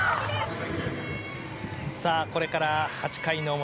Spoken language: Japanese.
これから８回の表。